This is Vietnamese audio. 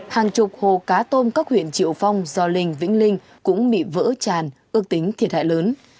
hàng chục hồ cá tôm các huyện triệu phong gio linh vĩnh linh cũng bị vỡ tràn ước tính thiệt hại lớn